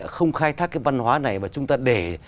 không khai thác cái văn hóa này mà chúng ta để